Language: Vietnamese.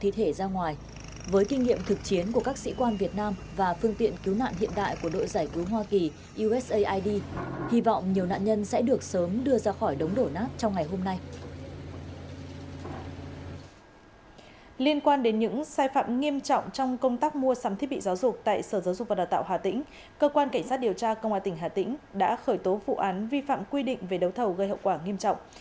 sở giáo dục và đào tạo hà tĩnh cơ quan cảnh sát điều tra công an tỉnh hà tĩnh đã khởi tố vụ án vi phạm quy định về đấu thầu gây hậu quả nghiêm trọng